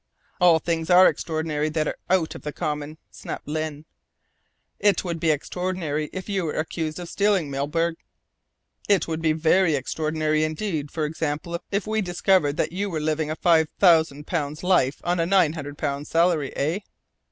"All things are extraordinary that are out of the common," snapped Lyne. "It would be extraordinary if you were accused of stealing, Milburgh. It would be very extraordinary indeed, for example, if we discovered that you were living a five thousand pounds life on a nine hundred pounds salary, eh?"